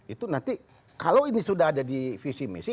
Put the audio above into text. itu nanti kalau ini sudah ada di visi misi